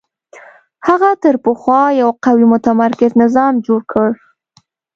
هغه تر پخوا یو قوي متمرکز نظام جوړ کړ